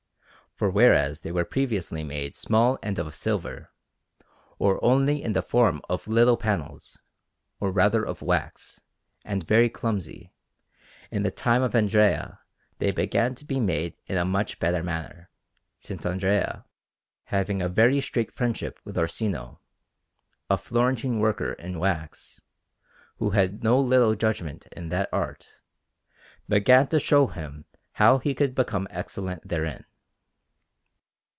For whereas they were previously made small and of silver, or only in the form of little panels, or rather of wax, and very clumsy, in the time of Andrea they began to be made in a much better manner, since Andrea, having a very strait friendship with Orsino, a Florentine worker in wax, who had no little judgment in that art, began to show him how he could become excellent therein.